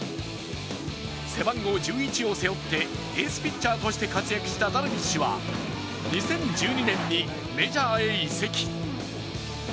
背番号１１を背負ってエースピッチャーとして活躍したダルビッシュは２０１２年にメジャーへ移籍。